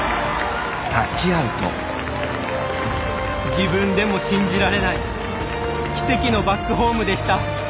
自分でも信じられない奇跡のバックホームでした。